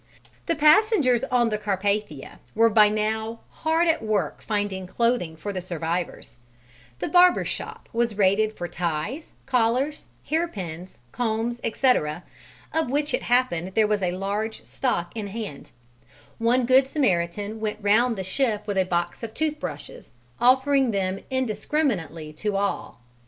The passengers on the Carpathia were by now hard at work finding clothing for the survivors: the barber's shop was raided for ties, collars, hair pins, combs, etc., of which it happened there was a large stock in hand; one good Samaritan went round the ship with a box of tooth brushes offering them indiscriminately to all.